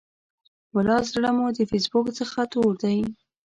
ولا زړه مو د فیسبوک څخه تور دی.